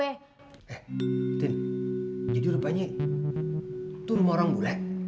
eh tin jadi rupanya itu rumah orang bule